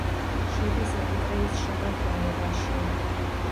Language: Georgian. შედის ერიტრეის შემადგენლობაში.